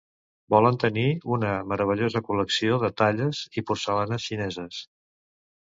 Volen tenir una meravellosa col·lecció de talles i porcellanes xineses .